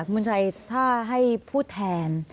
คุณชัยถ้าให้พูดแทน